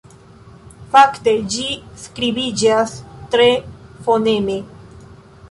Fakte ĝi skribiĝas tre foneme.